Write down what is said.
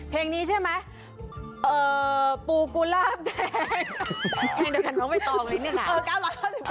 เพลงนี้ใช่ม่ะปูกุลาพไมแล้ว